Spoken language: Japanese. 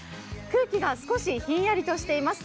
空気が少しひんやりとしています。